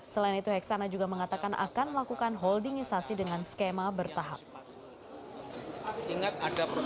selain itu heksana juga mengatakan akan melakukan holdingisasi dengan skema bertahap